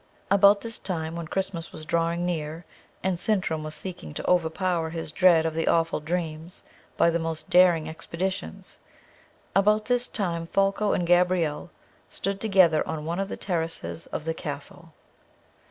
About this time, when Christmas was drawing near, and Sintram was seeking to overpower his dread of the awful dreams by the most daring expeditions, about this time, Folko and Gabrielle stood together on one of the terraces of the castle.